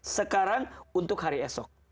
sekarang untuk hari esok